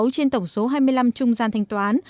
sáu trên tổng số hai mươi năm trung gian thanh toán